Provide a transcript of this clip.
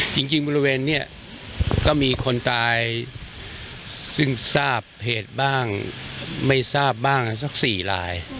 จริงบริเวณนี้ก็มีคนตายซึ่งทราบเหตุบ้างไม่ทราบบ้างสัก๔ลาย